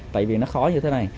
tại vì nó khó như thế này